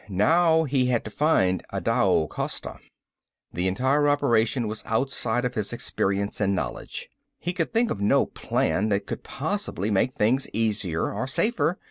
Now he had to find Adao Costa. This entire operation was outside of his experience and knowledge. He could think of no plan that could possibly make things easier or safer.